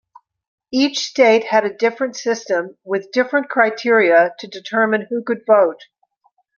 Each state had a different system, with different criteria to determine who could vote.